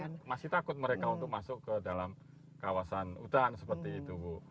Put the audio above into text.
tapi masih takut mereka untuk masuk ke dalam kawasan hutan seperti itu bu